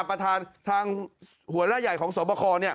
ประธานทางหัวหน้าใหญ่ของสวบค